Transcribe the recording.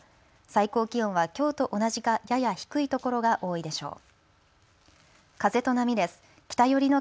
最高気温はきょうと同じかやや低いところが多いでしょう。